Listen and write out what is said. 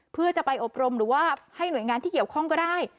เพื่อจะไปอบรมหรือว่าให้หน่วยงานที่เกี่ยวข้องก็ได้